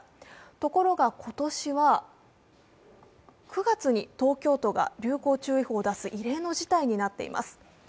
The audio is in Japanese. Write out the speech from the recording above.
ところが今年は、９月に東京都が流行注意報を出す異例の事態になっています。